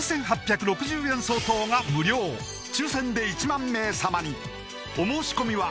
４８６０円相当が無料抽選で１万名様にお申し込みは